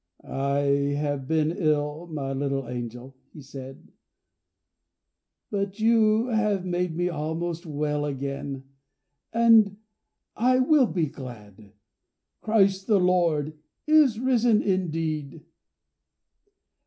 "I have been ill, my little angel," he said, "but you have made me almost well again, and I will be glad! Christ the Lord is risen indeed."